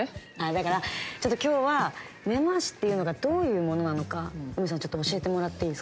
だからちょっと今日は根回しっていうのがどういうものなのかウメさんちょっと教えてもらっていいですか？